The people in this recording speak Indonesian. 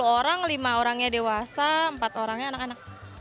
sepuluh orang lima orangnya dewasa empat orangnya anak anak